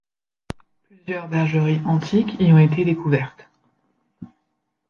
Plusieurs bergeries antiques y ont été découvertes.